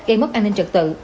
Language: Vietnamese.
gây mất an ninh trật tự